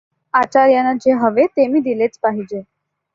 आचार्यांना जे हवे ते मी दिलेच पाहिजे.